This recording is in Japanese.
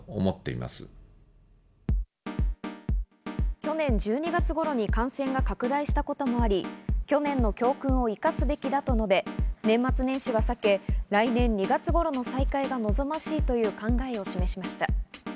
去年１２月頃に感染が拡大したこともあり、去年の教訓を生かすべきだと述べ、年末年始は避け来年２月頃の再開が望ましいという考えを示しました。